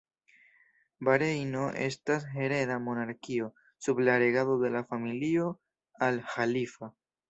Barejno estas hereda monarkio sub la regado de la familio Al Ĥalifa.